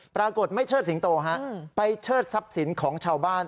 ปรากฏไม่เชิดสิงโตฮะไปเชิดทรัพย์สินของชาวบ้าน